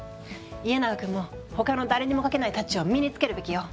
家長くんも他の誰にも描けないタッチを身につけるべきよ。